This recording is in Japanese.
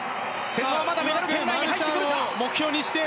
瀬戸はメダル圏内に入ってくるか。